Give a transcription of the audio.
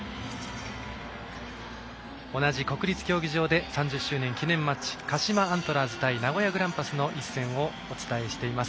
同じ国立競技場で３０周年記念マッチ鹿島アントラーズ対名古屋グランパスの一戦をお伝えしています。